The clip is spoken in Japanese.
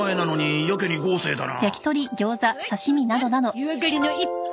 湯上がりの一杯。